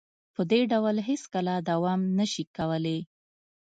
په دې ډول هیڅکله دوام نشي کولې